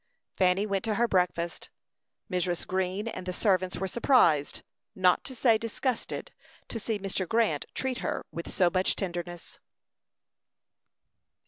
Fanny went to her breakfast. Mrs. Green and the servants were surprised, not to say disgusted, to see Mr. Grant treat her with so much tenderness.